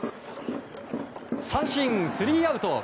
三振、スリーアウト。